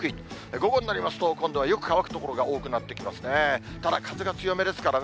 午後になりますと、今度はよく乾く所が多くなってきますね。